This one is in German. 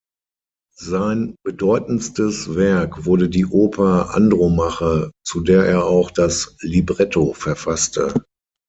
Sein bedeutendstes Werk wurde die Oper "Andromache", zu der er auch das Libretto verfasste.